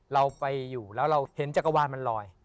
เราไปอยู่แล้วเราเห็นจักรวาลมันลอย